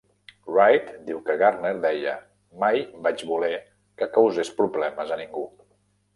Wright diu que Gardner deia: Mai vaig voler que causés problemes a ningú.